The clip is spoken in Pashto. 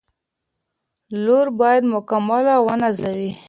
لور باید مېلمه ونازوي.